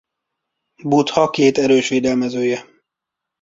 Buddha két erős védelmezője.